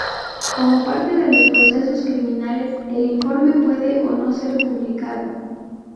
Como parte de los procesos criminales, el informe puede o no ser publicado.